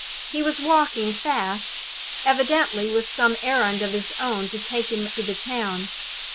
He was walking fast evidently with some errand of his own to take him to the town.